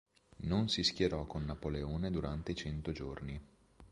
Non si schierò con Napoleone durante i Cento Giorni.